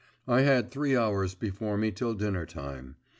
I had three hours before me till dinner time.